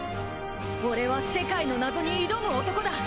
俺は世界の謎に挑む男だ！